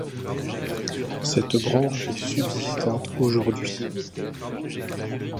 Cette branche est subsistante aujourd'hui.